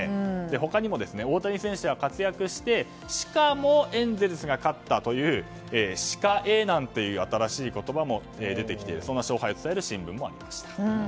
他にも、大谷選手が活躍してしかもエンゼルスが勝ったという「しかエ」なんていう新しい言葉も出てきているそんな勝敗を伝えた新聞もありました。